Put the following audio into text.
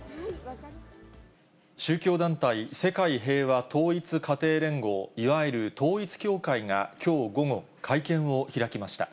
宗教団体、世界平和統一家庭連合、いわゆる統一教会がきょう午後、会見を開きました。